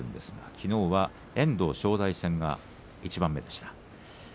きのうは遠藤、正代戦が１番目でした。